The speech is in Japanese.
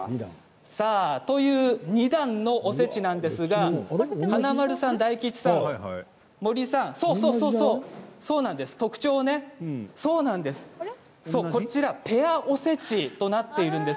２段のおせちなんですが華丸さん、大吉さん、森さん特徴ペアおせちとなっています。